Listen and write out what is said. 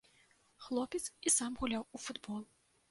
Хлопец і сам гуляў у футбол.